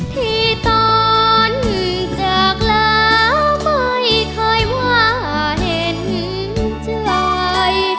ที่ตอนจากแล้วไม่เคยว่าเห็นใจ